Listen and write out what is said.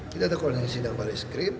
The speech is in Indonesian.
kita ada koordinasi dengan baris krim